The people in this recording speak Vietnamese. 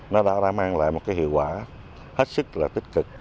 nó đã mang lại một cái hiệu quả hết sức là tích cực